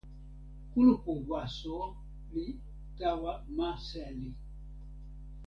kulupu waso li tawa ma seli.